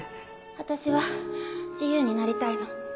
私は自由になりたいの。